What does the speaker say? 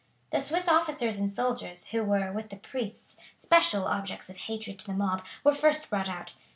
The Swiss officers and soldiers, who were, with the priests, special objects of hatred to the mob, were first brought out.